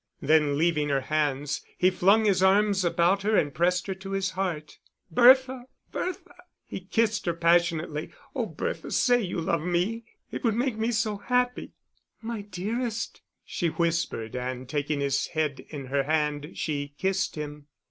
Then leaving her hands, he flung his arms about her and pressed her to his heart. "Bertha, Bertha!" He kissed her passionately. "Oh, Bertha, say you love me. It would make me so happy." "My dearest," she whispered, and taking his head in her hand, she kissed him.